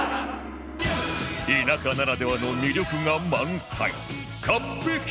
田舎ならではの魅力が満載！